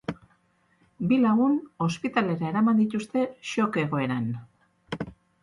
Bi lagun ospitalera eraman dituzte shock egoeran.